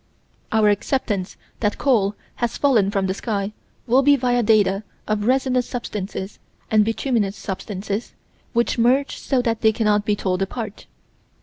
Our acceptance that coal has fallen from the sky will be via data of resinous substances and bituminous substances, which merge so that they cannot be told apart.